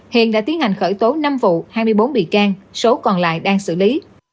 hiện đã tiến hành khởi tố năm vụ hai mươi bốn bị can số còn lại đang xử lý